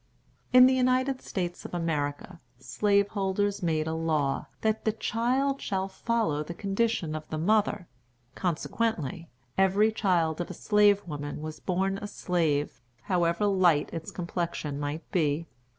In the United States of America, slaveholders made a law that "the child shall follow the condition of the mother"; consequently, every child of a slave woman was born a slave, however light its complexion might be.